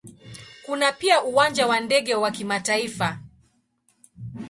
Kuna pia Uwanja wa ndege wa kimataifa.